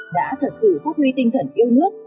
đã thật sự phát huy tinh thần yêu nước